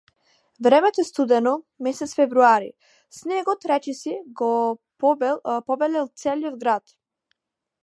Времето е студено, месец февруари, снегот речиси го побелел целиот град.